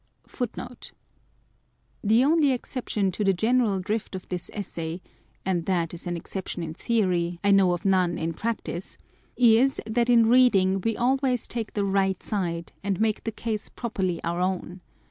1 1 The only exception to the general drift of this Essay (and that is an exception in theory â€" I know of none in practice) is, that in reading we always take the right side, and make the case properly our own.